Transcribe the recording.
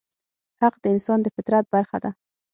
حق د انسان د فطرت برخه ده.